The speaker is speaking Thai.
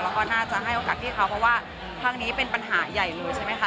แล้วก็น่าจะให้โอกาสพี่เขาเพราะว่าครั้งนี้เป็นปัญหาใหญ่เลยใช่ไหมคะ